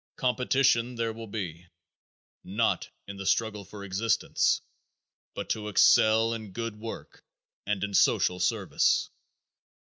Competition there will be, not in the struggle for existence, but to excel in good work and in social service.